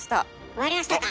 終わりましたか！